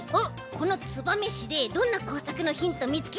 この燕市でどんなこうさくのヒントみつけてきたの？